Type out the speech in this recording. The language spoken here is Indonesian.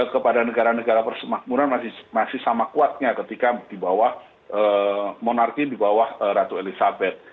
kepada negara negara persemakmuran masih sama kuatnya ketika di bawah monarki di bawah ratu elizabeth